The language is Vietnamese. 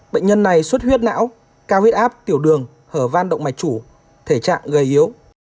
bệnh nhân này suất huyết não cao huyết áp tiểu đường hở van động mạch chủ thể trạng gây yếu